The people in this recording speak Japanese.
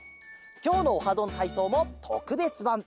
きょうの「オハどんたいそう」もとくべつばん。